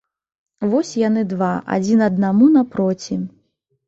Вось яны два, адзін аднаму напроці.